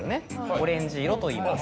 オレンジ色といいます。